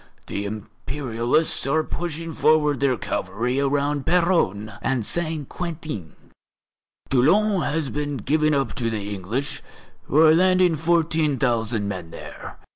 The Imperialists are pushing forward their cavalry around Péronne and Saint Quentin. Toulon has been given up to the English, who are landing fourteen thousand men there.